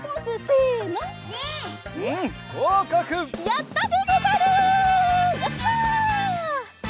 やった！